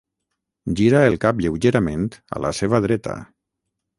Gira el cap lleument a la seva dreta.